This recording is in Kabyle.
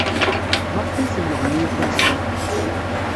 Maɣef ay tenneɣni akk anect-a?